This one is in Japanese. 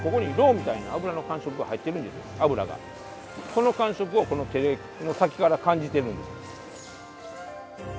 この感触をこの手の先から感じてるんです。